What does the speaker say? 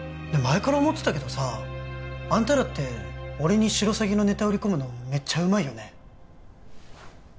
前から思ってたけどさあんたらって俺にシロサギのネタ売り込むのめっちゃうまいよね